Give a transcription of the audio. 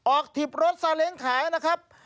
ออกถีบรถสาเล็งขายนะครับ